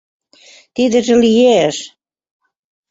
— Тидыже лие-еш!..